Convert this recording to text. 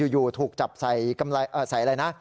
อยู่ถูกจับใส่กำไรใส่อะไรนะ